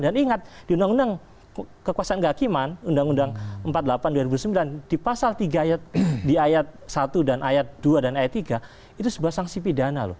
dan ingat di undang undang kekuasaan kehakiman undang undang empat puluh delapan dua ribu sembilan di pasal tiga ayat di ayat satu dan ayat dua dan ayat tiga itu sebuah sanksi pidana loh